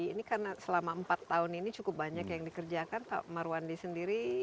ini karena selama empat tahun ini cukup banyak yang dikerjakan pak marwandi sendiri